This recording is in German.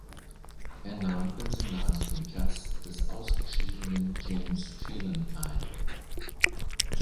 Er nahm im Senat den Platz des ausgeschiedenen James Phelan ein.